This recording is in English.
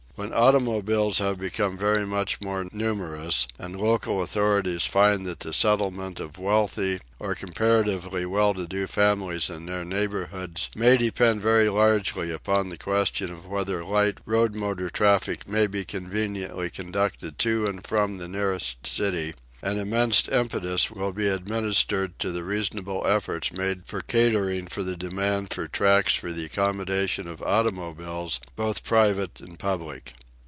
When automobiles have become very much more numerous, and local authorities find that the settlement of wealthy or comparatively well to do families in their neighbourhoods may depend very largely upon the question whether light road motor traffic may be conveniently conducted to and from the nearest city, an immense impetus will be administered to the reasonable efforts made for catering for the demand for tracks for the accommodation of automobiles, both private and public.